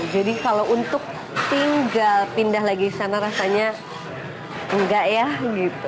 jadi kalau untuk tinggal pindah lagi sana rasanya enggak ya gitu